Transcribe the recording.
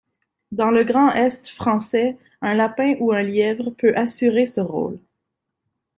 Dans le Grand Est français un lapin ou un lièvre peut assurer ce rôle.